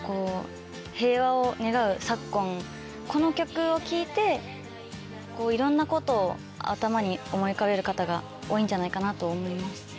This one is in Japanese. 平和を願う昨今この曲を聴いていろんなことを頭に思い浮かべる方が多いんじゃないかなと思います。